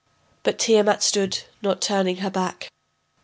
But Tiamat stood, not turning her back.